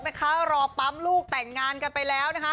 นะคะรอป๊ำลูกแต่งงานกันไปแล้ว